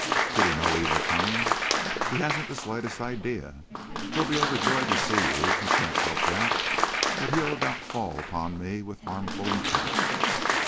"Did he know we were coming?" "He hadn't the slightest idea. He'll be overjoyed to see you. He can't help that. But he'll about fall upon me with harmful intent."